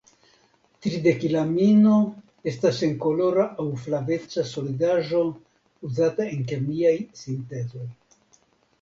Tridekilamino estas senkolora aŭ flaveca solidaĵo uzata en kemiaj sintezoj.